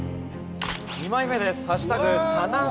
２枚目です。